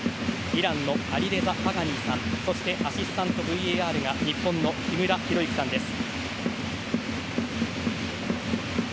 イランのアリレザ・ファガニーさんそしてアシスタントＶＡＲが日本の木村博之さんです。